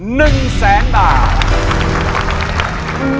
หนึ่งแสนบาท